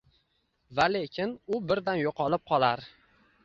Va lekin u birdan yo’qolib qolar